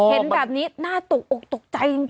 อ๋อเห็นแบบนี้หน้าตกออกตกใจจริงนะ